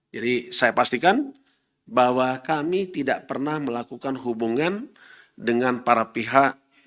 jadi saya pastikan bahwa kami tidak pernah melakukan hubungan dengan para pihak